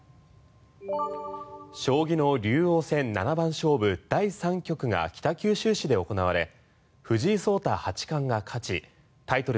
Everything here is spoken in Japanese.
将棋の竜王戦七番勝負第３局が北九州市で行われ藤井聡太八冠が勝ちタイトル